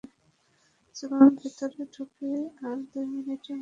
চলুন ভিতরে ঢুকি আর দুই মিনিটের মধ্যে সব শেষ করি।